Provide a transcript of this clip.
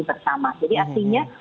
bersama jadi artinya